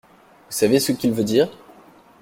Vous savez ce qu’il veut dire ?